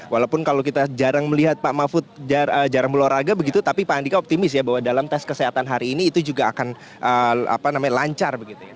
walaupun kalau kita jarang melihat pak mahfud jarang berolahraga begitu tapi pak andika optimis ya bahwa dalam tes kesehatan hari ini itu juga akan lancar